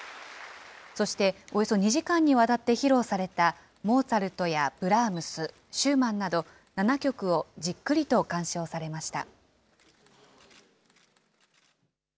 そして、およそ２時間にわたって披露されたモーツァルトやブラームス、シューマンなど７曲をじっくりと鑑賞されました。